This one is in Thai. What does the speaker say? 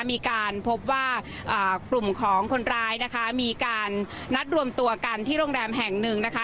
มีการพบว่ากลุ่มของคนร้ายนะคะมีการนัดรวมตัวกันที่โรงแรมแห่งหนึ่งนะคะ